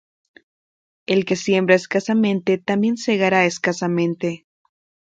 El que siembra escasamente, también segará escasamente;